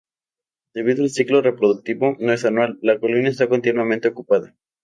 Debido al ciclo reproductivo no es anual, la colonia está continuamente ocupada.